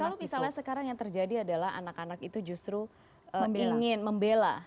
kalau misalnya sekarang yang terjadi adalah anak anak itu justru ingin membela